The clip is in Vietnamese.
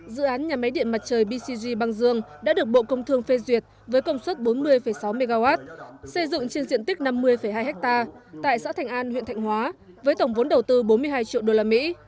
dự án nhà máy điện mặt trời bcg bang dương đã được bộ công thương phê duyệt với công suất bốn mươi sáu mw xây dựng trên diện tích năm mươi hai hectare tại xã thạnh an huyện thạnh hóa với tổng vốn đầu tư bốn mươi hai triệu đô la mỹ